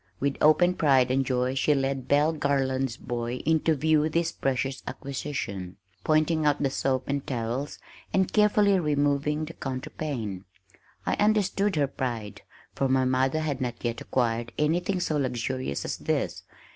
With open pride and joy she led Belle Garland's boy in to view this precious acquisition, pointing out the soap and towels, and carefully removing the counterpane! I understood her pride, for my mother had not yet acquired anything so luxurious as this.